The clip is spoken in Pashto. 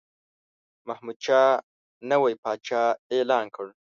محمودشاه نوی پاچا اعلان کړ.